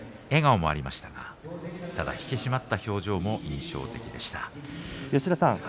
笑顔もありましたが引き締まった表情が印象的でした。